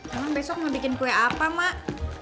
emang besok mau bikin kue apa mak